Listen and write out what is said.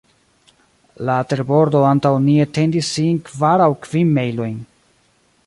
La terbordo antaŭ ni etendis sin kvar aŭ kvin mejlojn.